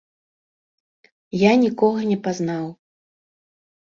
Я нікога не пазнаў.